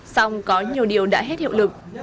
xong có nhiều điều đã hết hiệu lực